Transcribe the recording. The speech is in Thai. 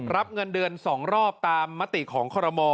รับเงินเดือน๒รอบตามมติของคอรมอ